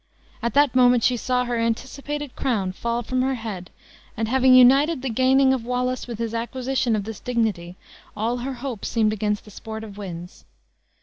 At that moment she saw her anticipated crown fall from her head, and having united the gaining of Wallace with his acquisition of this dignity, all her hopes seemed again the sport of winds.